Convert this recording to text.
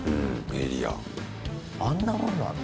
あんなもんなの？